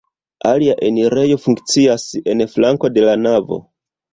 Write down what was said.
Alia enirejo funkcias en flanko de la navo.